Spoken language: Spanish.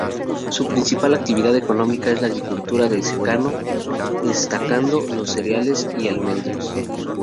La principal actividad económica es la agricultura de secano, destacando los cereales y almendros.